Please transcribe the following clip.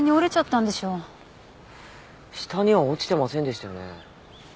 下には落ちてませんでしたよね？